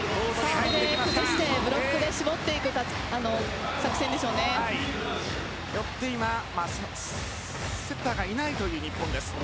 サーブで崩してブロックで絞っていくよって今セッターがいないという日本。